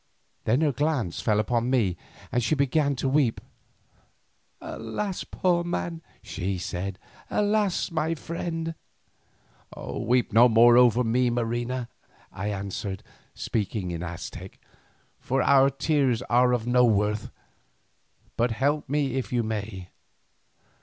Then her glance fell upon me and she began to weep. "Alas! poor man," she said; "alas! my friend." "Weep not over me, Marina," I answered, speaking in Aztec, "for our tears are of no worth, but help me if you may."